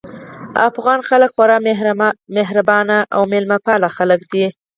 افغان خلک خورا مهربان او مېلمه پال خلک دي